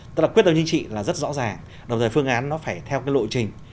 tức là quyết tâm chính trị là rất rõ ràng đồng thời phương án nó phải theo cái lộ trình